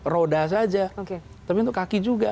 roda saja tapi untuk kaki juga